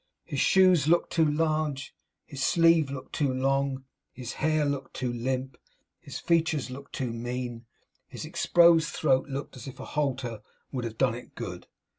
His shoes looked too large; his sleeve looked too long; his hair looked too limp; his features looked too mean; his exposed throat looked as if a halter would have done it good.